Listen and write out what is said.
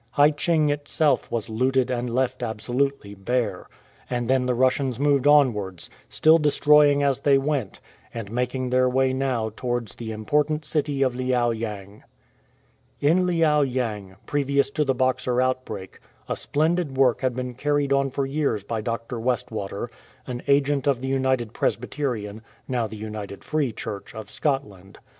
Hai cheng itself was looted and left absolutely bare. And then the Russians moved onwards, still destroying as they went, and making their way now towards the important city of Liao yang. In Liao yang, previous to the Boxer outbreak, a splendid work had been carried on for years by Dr. Westwater, an agent of the United Presbyterian, now the United Free Church of Scotland.